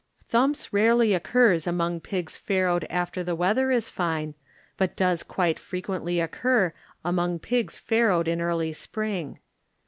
Thumps rarely occurs among pigs far rowed after the weather is fine, but does quite frequently occur among pigs far rowed in early spring.